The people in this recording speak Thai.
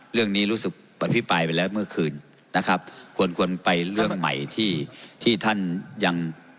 รู้สึกอภิปรายไปแล้วเมื่อคืนนะครับควรควรไปเรื่องใหม่ที่ที่ท่านยัง